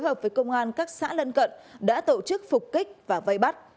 hợp với công an các xã lân cận đã tổ chức phục kích và vây bắt